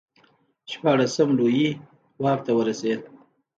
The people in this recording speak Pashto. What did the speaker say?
شپاړسم لویي واک ته ورسېد.